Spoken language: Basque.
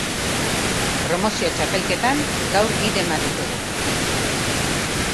Promozio txapelketan gaur bi dema ditugu.